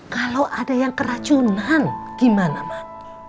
kalo ada yang keracunan gimana mak